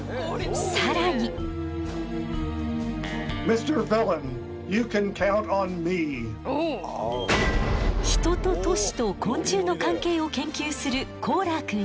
人と都市と昆虫の関係を研究するコーラーくんよ。